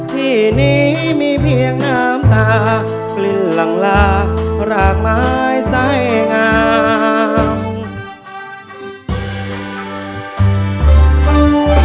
ที่นี้มีเพียงน้ำตาคลื่นหลังลารากไม้ไส้งาม